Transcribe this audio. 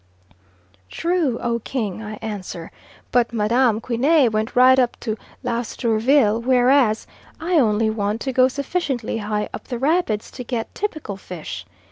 "True, oh King!" I answer, "but Madame Quinee went right up to Lestourville, whereas I only want to go sufficiently high up the rapids to get typical fish.